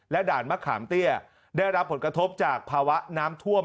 ด่านมะขามเตี้ยได้รับผลกระทบจากภาวะน้ำท่วม